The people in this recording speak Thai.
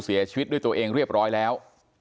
เสียชีวิตด้วยตัวเองเรียบร้อยแล้ว